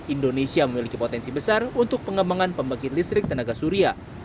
indonesia memiliki potensi besar untuk pengembangan pembangkit listrik tenaga surya